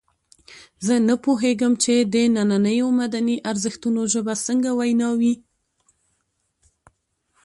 زه نه پوهېږم چې د نننیو مدني ارزښتونو ژبه څنګه وینا وي.